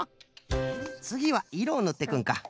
つぎはいろをぬっていくんか。